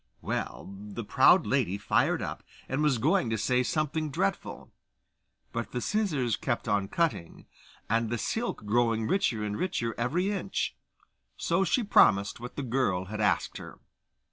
Well, the proud lady fired up, and was going to say something dreadful; but the scissors kept on cutting, and the silk growing richer and richer every inch. So she promised what the girl had asked her.